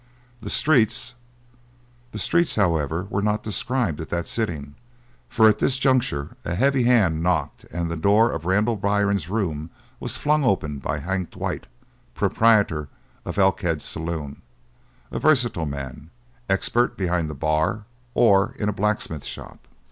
The streets " The streets, however, were not described at that sitting, for at this juncture a heavy hand knocked and the door of Randall Byrne's room was flung open by Hank Dwight, proprietor of Elkhead's saloon a versatile man, expert behind the bar or in a blacksmith shop.